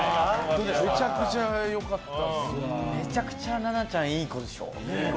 めちゃくちゃななちゃんいい子でしょ。